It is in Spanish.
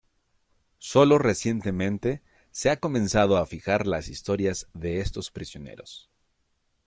Solo recientemente se ha comenzado a fijar las historias de estos prisioneros.